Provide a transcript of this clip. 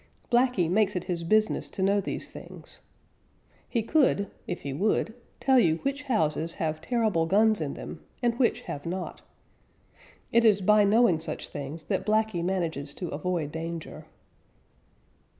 Blacky makes it his business to know these things. He could, if he would, tell you which houses have terrible guns in them and which have not. It is by knowing such things that Blacky manages to avoid danger.